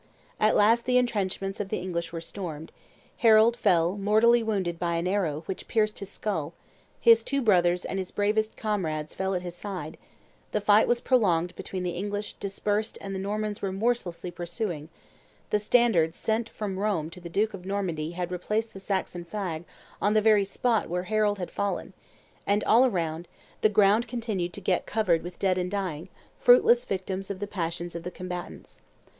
At last the intrenchments of the English were stormed; Harold fell mortally wounded by an arrow which pierced his skull; his two brothers and his bravest comrades fell at his side; the fight was prolonged between the English dispersed and the Normans remorselessly pursuing; the standard sent from Rome to the duke of Normandy had replaced the Saxon flag on the very spot where Harold had fallen; and, all around, the ground continued to get covered with dead and dying, fruitless victims of the passions of the combatants.